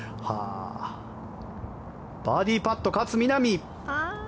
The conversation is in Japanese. バーディーパット勝みなみ。